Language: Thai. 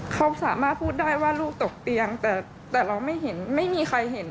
เขาสามารถพูดได้ว่าลูกตกเตียงแต่เราไม่เห็นไม่มีใครเห็น